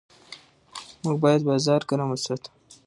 موږ باید بازار ګرم وساتو.